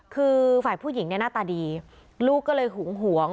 คือฝ่ายผู้หญิงเนี่ยหน้าตาดีลูกก็เลยหึงหวง